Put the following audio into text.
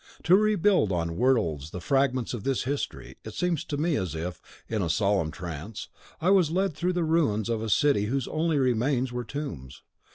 To rebuild on words the fragments of this history, it seems to me as if, in a solemn trance, I was led through the ruins of a city whose only remains were tombs.